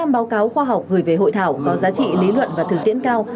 một mươi báo cáo khoa học gửi về hội thảo có giá trị lý luận và thực tiễn cao